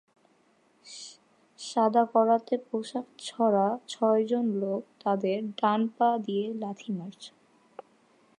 সাদা কারাতে পোশাক পরা ছয়জন লোক তাদের ডান পা দিয়ে লাথি মারছে।